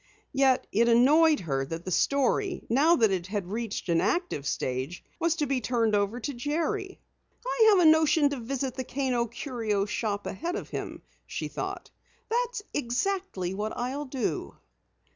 Yet it annoyed her that the story, now that it had reached an active stage, was to be turned over to Jerry. "I have a notion to visit the Kano Curio Shop ahead of him," she thought. "That's exactly what I'll do!"